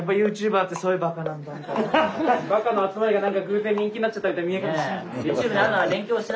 バカの集まりが偶然人気になっちゃったみたいな見え方してるな。